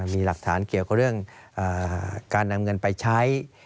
มีหลักฐานเกี่ยวกับเรื่องการนำเงินไปใช้